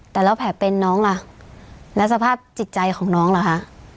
แต่แล้วแผลเป็นน้องล่ะแล้วสภาพจิตใจของน้องล่ะคะ